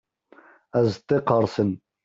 Azeṭṭa yeqqerṣen.